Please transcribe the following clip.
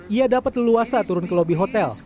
ia dapat leluasa turun ke lobi hotel